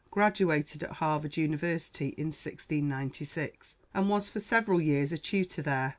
graduated at Harvard University in 1696, and was for several years a tutor there.